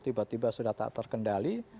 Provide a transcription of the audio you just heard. tiba tiba sudah tak terkendali